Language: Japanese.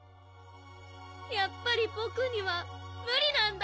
やっぱりぼくにはむりなんだ